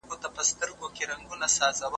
که وخت وي، وخت نيسم!